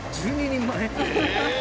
１２人前！？